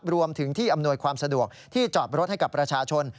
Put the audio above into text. รวมถึงที่อำนวยความสะดวกที่จอดรถให้กับประชาชน